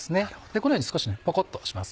このように少しポコっとします。